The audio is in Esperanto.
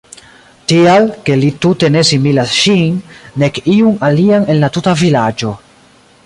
Tial, ke li tute ne similas ŝin, nek iun alian en la tuta vilaĝo.